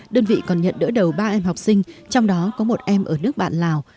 đơn vị còn nhận đỡ đầu ba em học sinh trong đó có một em ở nước bạn lào